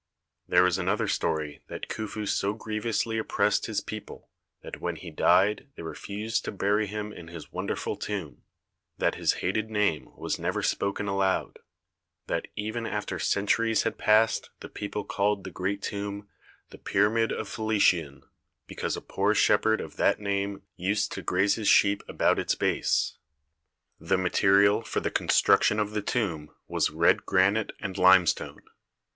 There is another story that Khufu so grievously oppressed his people that when he died they refused to bury him in his wonderful torrib; that his hated name was never spoken aloud ; that even after centuries had passed the people called the great tomb '' The Pyramid of Philetion '' because a poor shepherd of that name used to graze his sheep about its base. The material for the construction of the tomb was red granite and limestone.